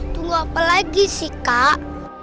tunggu apa lagi sih kak